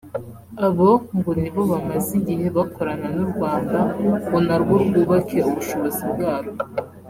Abo ngo nibo bamaze igihe bakorana n’u Rwanda ngo narwo rwubake ubushobozi bwarwo